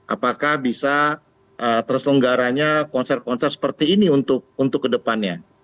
apakah bisa terselenggaranya konser konser seperti ini untuk kedepannya